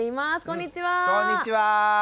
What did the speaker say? こんにちは。